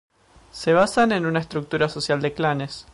Se basan en una estructura social de clanes.